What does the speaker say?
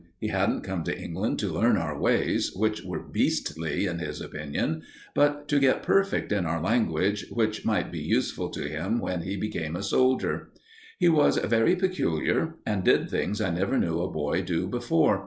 He hadn't come to England to learn our ways which were beastly, in his opinion but to get perfect in our language, which might be useful to him when he became a soldier. He was very peculiar, and did things I never knew a boy do before.